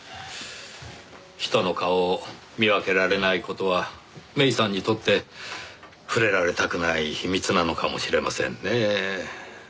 人の顔を見分けられない事は芽依さんにとって触れられたくない秘密なのかもしれませんねぇ。